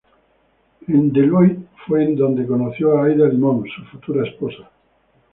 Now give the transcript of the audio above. En Deloitte fue en donde conoció a Aida Limón, su futura esposa.